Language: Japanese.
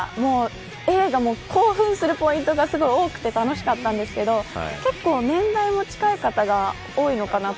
映画も興奮するポイントが多くて楽しかったんですけど結構、年代も近い方が多いのかなと。